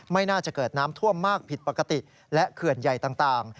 ไม่น่าจะเกิดน้ำท่วมมากผิดปกติและเขื่อนใหญ่ต่าง